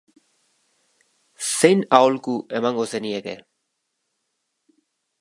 Zein aholku emango zenieke?